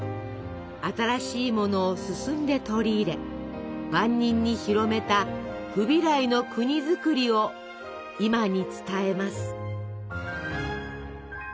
新しいものを進んで取り入れ万人に広めたフビライの国づくりを今に伝えます。